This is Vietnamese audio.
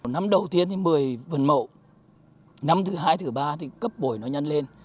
năm đầu tiên thì một mươi vườn mẫu năm thứ hai thứ ba thì cấp bổi nó nhân lên